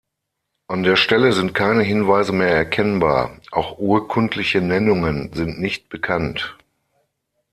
An der Stelle sind keine Hinweise mehr erkennbar, auch urkundliche Nennungen sind nicht bekannt.